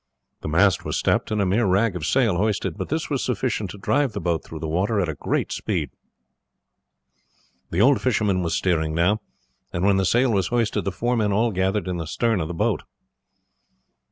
The mast was stepped and a mere rag of sail hoisted, but this was sufficient to drive the boat through the water at a great speed. The old fisherman was steering now, and when the sail was hoisted the four men all gathered in the stern of the boat.